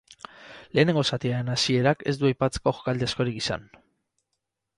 Lehenengo zatiaren hasierak ez du aipatzeko jokaldi askorik izan.